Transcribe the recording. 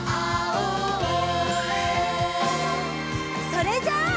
それじゃあ。